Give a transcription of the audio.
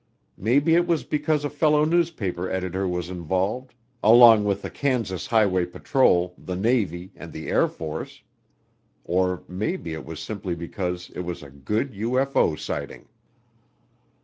Maybe it was because a fellow newspaper editor was involved, along with the Kansas Highway Patrol, the Navy and the Air Force. Or, maybe it was simply because it was a good UFO sighting.